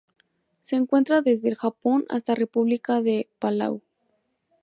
Se encuentra desde el Japón hasta República de Palau.